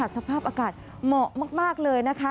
สภาพอากาศเหมาะมากเลยนะคะ